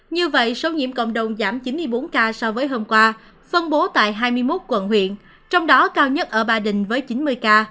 như vậy số nhiễm cộng đồng giảm chín mươi bốn ca so với hôm qua phân bố tại hai mươi một quận huyện trong đó cao nhất ở ba đình với chín mươi ca